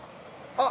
あっ！